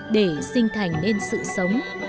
để sinh thành nên sự sống